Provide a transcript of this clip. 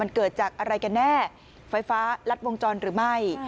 มันเกิดจากอะไรกันแน่ไฟฟ้ารัดวงจรหรือไม่